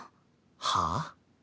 はあ？